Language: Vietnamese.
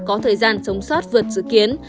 có thời gian sống sót vượt dự kiến